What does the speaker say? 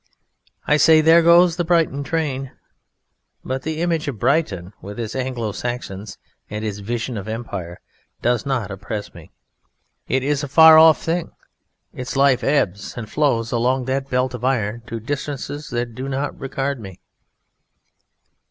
I say "There goes the Brighton train", but the image of Brighton, with its Anglo Saxons and its Vision of Empire, does not oppress me; it is a far off thing; its life ebbs and flows along that belt of iron to distances that do not regard me.